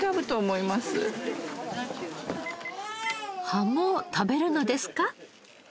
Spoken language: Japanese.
葉も食べるのですか？